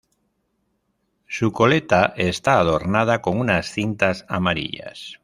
Su coleta está adornada con unas cintas amarillas.